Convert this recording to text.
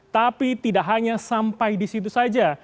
tapi tidak hanya sampai di situ saja